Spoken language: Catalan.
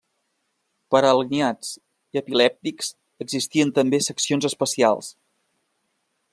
Per alineats i epilèptics existien també seccions especials.